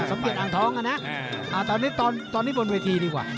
สมเกตอังทองอ่ะนะตอนนี้บนเวทีดีกว่า